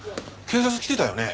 警察来てたよね？